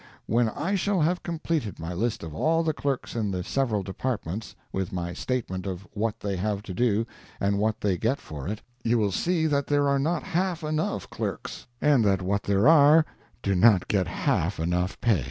When I shall have completed my list of all the clerks in the several departments, with my statement of what they have to do, and what they get for it, you will see that there are not half enough clerks, and that what there are do not get half enough pay.